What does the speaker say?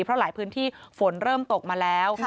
เพราะหลายพื้นที่ฝนเริ่มตกมาแล้ว